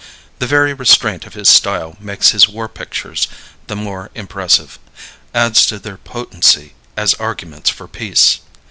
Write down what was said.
The very restraint of his style makes his war pictures the more impressive adds to their potency as arguments for peace.